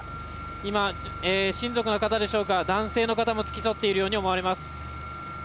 今、親族の方でしょうか男性の方も付き添っているように思われます。